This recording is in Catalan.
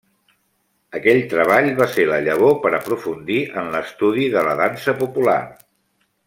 Aquell treball va ser la llavor per aprofundir en l'estudi de la dansa popular.